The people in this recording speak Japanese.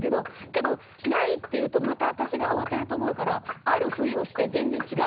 けどないって言うとまた私が慌てると思うからええ！